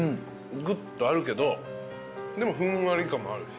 グッとあるけどでもふんわり感もあるし。